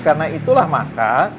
karena itulah maka